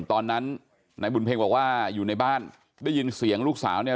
ตอนนั้นนายบุญเพ็งบอกว่าอยู่ในบ้านได้ยินเสียงลูกสาวเนี่ย